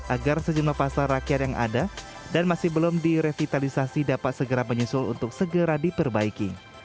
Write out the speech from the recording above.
agar sejumlah pasar rakyat yang ada dan masih belum direvitalisasi dapat segera menyusul untuk segera diperbaiki